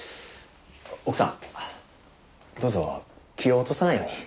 奥さんどうぞ気を落とさないように。